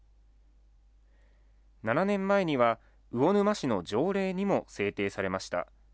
７年前には魚沼市の条例にも制定されました。